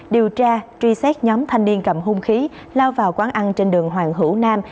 điều tra truy xét nhóm thanh niên cầm hung khí lao vào quán ăn trên đường hoàng hữu nam